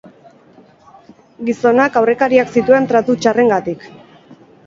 Gizonak aurrekariak zituen tratu txarrengatik.